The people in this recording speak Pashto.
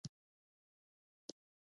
تاسو ولې هر کال شولې کرئ؟